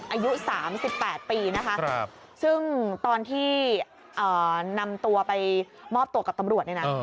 อายุ๓๘ปีนะคะซึ่งตอนที่นำตัวไปมอบตัวกับตำรวจเนี่ยนะ